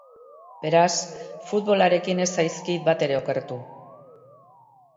Beraz, futbolarekin ez zaizkit batere okertu.